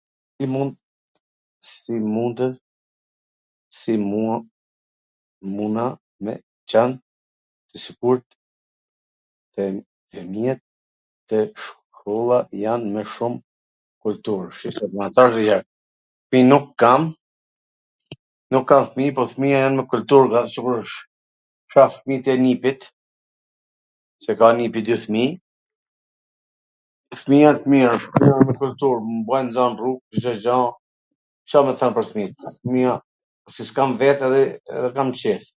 Si mundet me qen t sigurt se fwmijwt dhe shkolla jan me shum kultur? Ta thash dhe njw her, nuk kam fmij, po fmija jan me kultur, sigurisht, kta fmit e nipit, se ka nipi dy fmij, fmij t mir, me kultur, dhe n rrug, Cdo gja, Ca me than pwr fmijt, fmija, se s kam vet, edhe kam qef.